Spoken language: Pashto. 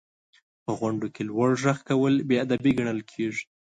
• په غونډو کې لوړ ږغ کول بې ادبي ګڼل کېږي.